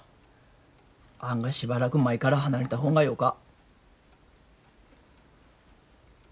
あがしばらく舞から離れた方がよか。